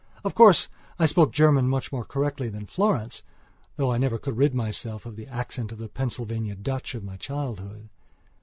Of course, I spoke German much more correctly than Florence, though I never could rid myself quite of the accent of the Pennsylvania Duitsch of my childhood.